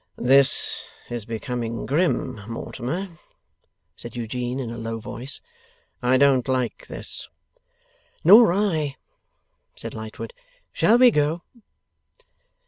'This is becoming grim, Mortimer,' said Eugene, in a low voice. 'I don't like this.' 'Nor I' said Lightwood. 'Shall we go?